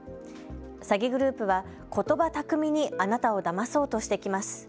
詐欺グループは、ことば巧みにあなたをだまそうとしてきます。